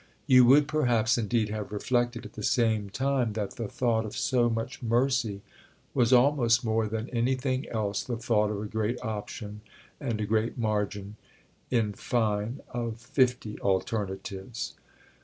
You would perhaps indeed have reflected at the same time that the thought of so much mercy was almost more than anything else the thought of a great option and a great margin—in fine of fifty alternatives.